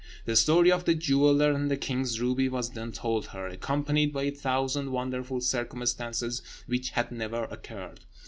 The story of the jeweller and the king's ruby was then told her, accompanied by a thousand wonderful circumstances which had never occurred.